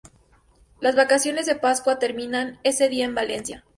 Las vacaciones de Pascua terminan ese día en Valencia